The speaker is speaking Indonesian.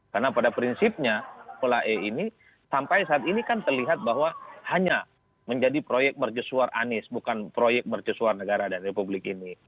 karena pada prinsipnya formula e ini sampai saat ini kan terlihat bahwa hanya menjadi proyek merjesuar anis bukan proyek merjesuar negara dan republik ini